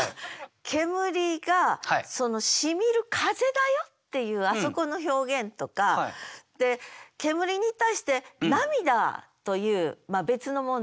煙が「しみる風」だよっていうあそこの表現とかで煙に対して「涙」という別のもんだよね。